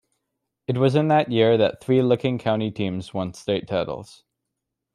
It was in that year that three Licking County teams won state titles.